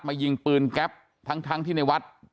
ยิงปืนแก๊ปทั้งที่ในวัด